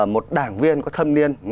một đảng viên có thâm niên